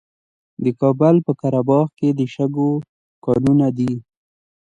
د کابل په قره باغ کې د شګو کانونه دي.